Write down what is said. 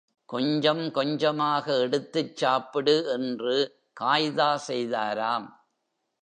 கொஞ்சம் கொஞ்சமாக எடுத்துச் சாப்பிடு! என்று காய்தா செய்தாராம்!